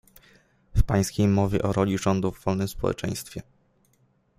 W pańskiej mowie o roli rządu w wolnym społeczeństwie